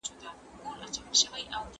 چي پر خره زورور نه یې پهلوانه